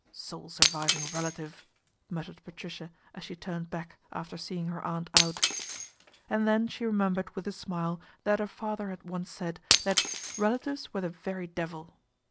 "Sole surviving relative," muttered Patricia as she turned back after seeing her aunt out. And then she remembered with a smile that her father had once said that " relatives were the very devil."